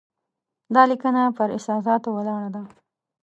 دا لیکنه پر احساساتو ولاړه ده.